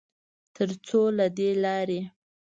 ترڅوله دې لارې